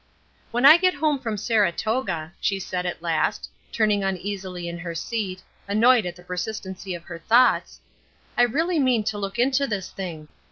"When I get home from Saratoga," she said, at last, turning uneasily in her seat, annoyed at the persistency of her thoughts, "I really mean to look into this thing.